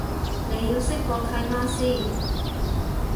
你要識個契媽先